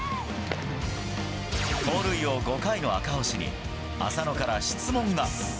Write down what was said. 盗塁王５回の赤星に、浅野から質問が。